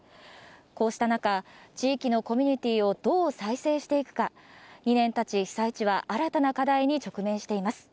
こうした中、地域のコミュニティーをどう再生していくか、２年たち、被災地は新たな課題に直面しています。